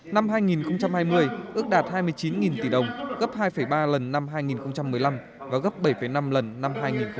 năm hai nghìn hai mươi ước đạt hai mươi chín tỷ đồng gấp hai ba lần năm hai nghìn một mươi năm và gấp bảy năm lần năm hai nghìn một mươi tám